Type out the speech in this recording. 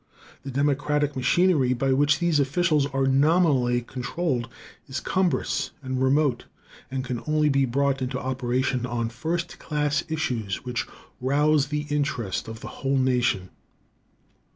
The democratic machinery by which these officials are nominally controlled is cumbrous and remote, and can only be brought into operation on first class issues which rouse the interest of the whole nation.